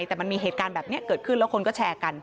แต่มันมีเหตุการณ์แบบนี้เกิดขึ้นแล้วคนก็แชร์กัน